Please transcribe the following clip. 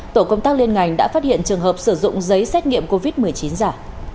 tổ công tác liên ngành đã phát hiện trường hợp sử dụng giấy xét nghiệm covid một mươi chín giả